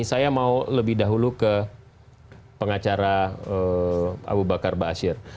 saya mau lebih dahulu ke pengacara abu bakar ba'asyir